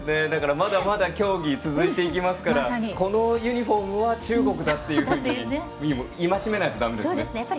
まだまだ競技は続いていきますからこのユニフォームは中国だって戒めないとだめですね。